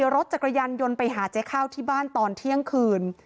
รถจักรยานยนต์ไปหาเจ๊ข้าวที่บ้านตอนเที่ยงคืน